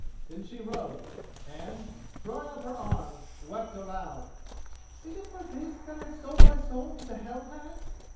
Then she rose, and, throwing up her arms, wept aloud. "Is it for this that I have sold my soul to the Hell hag?"